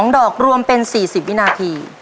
๒ดอกรวมเป็น๔๐วินาที